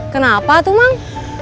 kenapa tuh mang